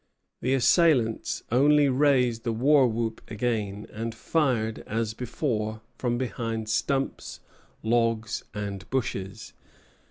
The assailants only raised the war whoop again, and fired, as before, from behind stumps, logs, and bushes.